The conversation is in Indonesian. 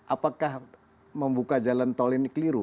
apakah membuka jalan tol ini keliru